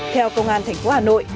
theo công an thành phố hà nội